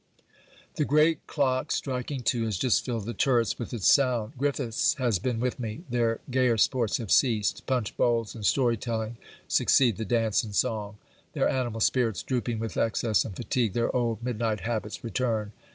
The great clock striking two has just filled the turrets with its sound. Griffiths has been with me. Their gayer sports have ceased. Punch bowls and story telling succeed the dance and song. Their animal spirits drooping with excess and fatigue, their old midnight habits return.